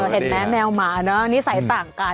เห็นไหมแมวหมาเนอะนิสัยต่างกัน